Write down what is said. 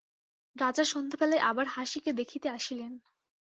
রাজা সন্ধ্যাবেলায় আবার হাসিকে দেখিতে আসিলেন।